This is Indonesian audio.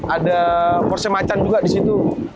ada porsche macan juga disitu